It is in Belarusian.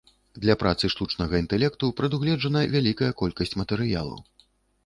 Для працы штучнага інтэлекту прадугледжана вялікая колькасць матэрыялу.